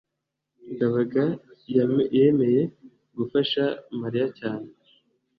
ndabaga yemeye gufasha mariya cyane